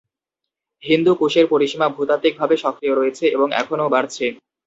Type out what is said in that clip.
হিন্দু কুশের পরিসীমা ভূতাত্ত্বিকভাবে সক্রিয় রয়েছে এবং এখনও বাড়ছে।